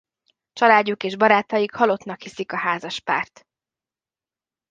Családjuk és barátaik halottnak hiszik a házaspárt.